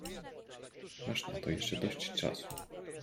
Masz na to jeszcze dość czasu.